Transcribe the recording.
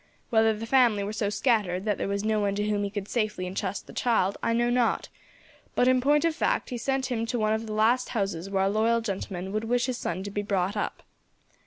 Whether the family were so scattered that there was no one to whom he could safely entrust the child, I know not, but, in point of fact, he sent him to one of the last houses where a loyal gentleman would wish his son to be brought up.